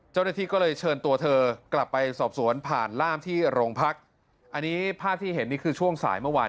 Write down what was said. เจ้าหน้าที่ก็เลยเชิญตัวเธอกลับไปสอบสวนผ่านร่ามที่โรงพักษ์